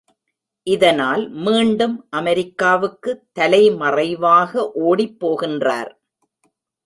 இதனால் மீண்டும் அமெரிக்காவுக்கு தலைமறைவாக ஓடிப்போகின்றார்.